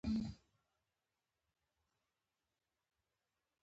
جوار لوبیا ته تکیه ورکوي.